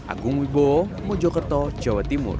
agung wibowo mojokerto jawa timur